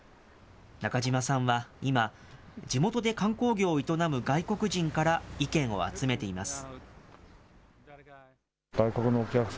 中嶋さんは今、地元で観光業を営む外国人から意見を集めています。